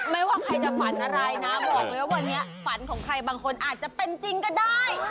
ไม่ว่าใครจะฝันอะไรนะบอกเลยว่าวันนี้ฝันของใครบางคนอาจจะเป็นจริงก็ได้